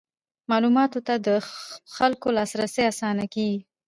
معلوماتو ته د خلکو لاسرسی اسانه کیږي.